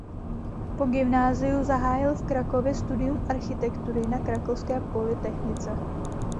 Po gymnáziu zahájil v Krakově studium architektury na Krakovské polytechnice.